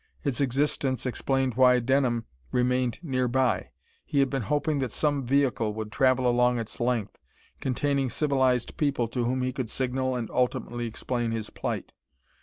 Its existence explained why Denham remained nearby. He had been hoping that some vehicle would travel along its length, containing civilized people to whom he could signal and ultimately explain his plight.